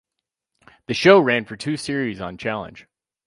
The show ran for two series on Challenge.